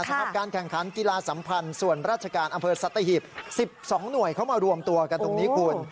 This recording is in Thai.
สำหรับการแข่งขันกีฬาสัมพันธ์ส่วนราชการอำเภอสัตหิบ๑๒หน่วยเขามารวมตัวกันตรงนี้คุณ